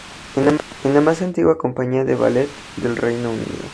Es la más antigua compañía de ballet del Reino Unido.